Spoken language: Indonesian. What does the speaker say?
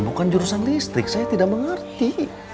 bukan jurusan listrik saya tidak mengerti